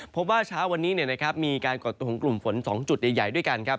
พบว่าเช้าวันนี้มีการก่อตัวของกลุ่มฝน๒จุดใหญ่ด้วยกันครับ